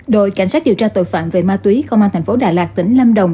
đội cảnh sát điều tra tội phạm về ma túy công an tp đà lạt tỉnh lâm đồng